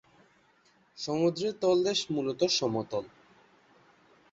সমুদ্রের তলদেশ মূলত সমতল।